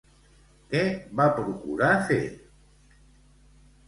Què va procurar fer?